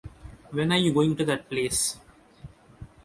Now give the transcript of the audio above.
When are you going to that place?